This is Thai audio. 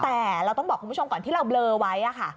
แต่เราต้องบอกคุณผู้ชมก่อนที่เราเบลอไว้ค่ะ